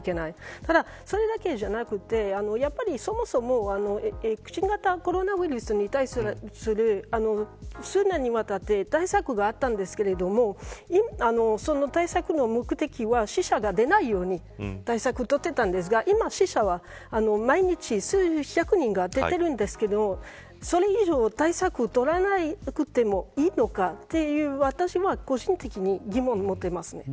ただ、それだけじゃなくてやっぱり、そもそも新型コロナウイルスに対する数年にわたって対策があったんですけれどもその対策の目的は死者が出ないように対策を取ってたんですが今、死者は毎日数百人出てるんですけどそれ以上に対策を取らなくてもいいのかという、私は個人的に疑問を持っています。